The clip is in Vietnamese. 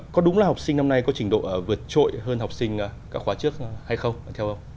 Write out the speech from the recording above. có đúng là học sinh năm nay có trình độ vượt trội hơn học sinh các khóa trước hay không theo ông